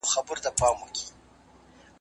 جرګو د ستونزو په حل کي څه مرسته کوله؟